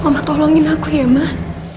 mama tolongin aku ya mah